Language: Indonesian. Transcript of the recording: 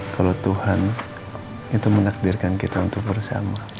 kalau tuhan itu menakdirkan kita untuk bersama